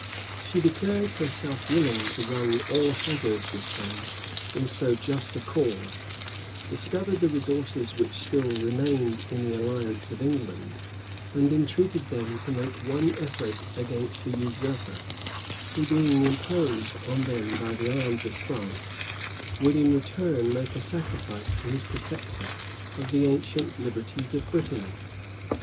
She declared herself willing to run all hazards with them in so just a cause; discovered the resources which still remained in the alliance of England; and entreated them to make one effort against a usurper, who, being imposed on them by the arms of France, would in return make a sacrifice to his protector of the ancient liberties of Brittany.